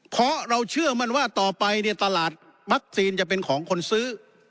เพราะเราเชื่อมั่นว่าต่อไปเนี่ยตลาดวัคซีนจะเป็นของคนซื้อ